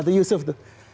itu yusuf tuh